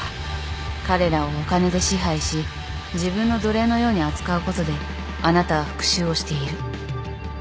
彼らをお金で支配し自分の奴隷のように扱うことであなたは復讐をしている。